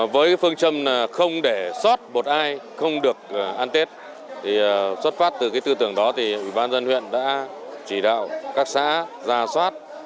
với phương châm không để sót một ai không được ăn tết thì xuất phát từ cái tư tưởng đó thì ủy ban dân huyện đã chỉ đạo các xã ra soát